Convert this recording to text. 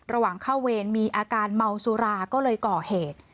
ระหว่างเข้าเวรมีอาการเมาสุราก็เลยก่อเหตุ